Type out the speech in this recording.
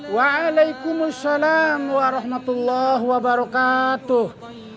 waalaikumussalam warahmatullah wabarakatuh